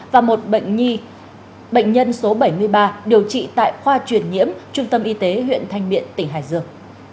và một bệnh nhi bệnh nhân số bảy mươi ba điều trị tại khoa truyền nhiễm trung tâm y tế huyện thanh miện tỉnh hải dương